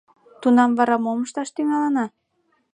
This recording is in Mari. Тунам вара мом ышташ тӱҥалына?